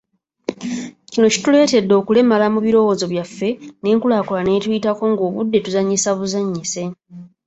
Kino kituleetedde okulemala mu birowoozo byaffe nenkulaakulana netuyitako ng’obudde tuzannyisa buzannyise.